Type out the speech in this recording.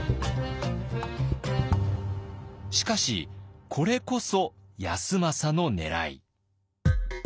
しかしこれこそ康政のねらい。